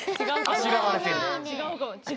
あしらわれてんね。